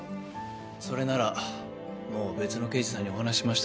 それならもう別の刑事さんにお話ししましたけど。